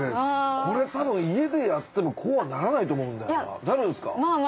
これ多分家でやってもこうはならないと思うんだよな。